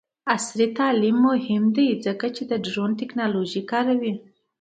عصري تعلیم مهم دی ځکه چې د ډرون ټیکنالوژي کاروي.